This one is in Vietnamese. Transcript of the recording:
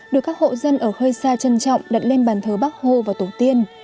được các hộ dân ở khơi xa trân trọng đặt lên bàn thờ bắc hồ và tổng tiên